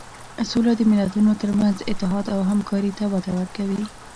سوله د ملتونو تر منځ اتحاد او همکاري ته وده ورکوي.